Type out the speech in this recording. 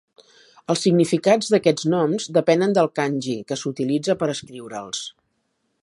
Els significats d'aquests noms depenen del Kanji que s'utilitza per escriure'ls.